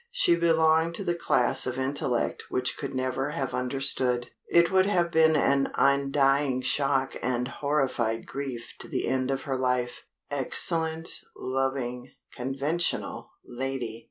She belonged to the class of intellect which could never have understood. It would have been an undying shock and horrified grief to the end of her life excellent, loving, conventional lady!